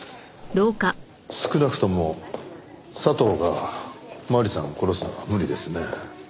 少なくとも佐藤が麻里さんを殺すのは無理ですね。